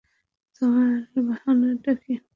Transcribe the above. তোমার বাহানাটা কী?